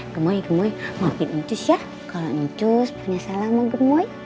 gemoy gemoy maafin njus ya kalau njus penyasalah sama gemoy